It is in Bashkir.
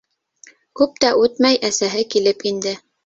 Күп тә үтмәй әсәһе килеп инде: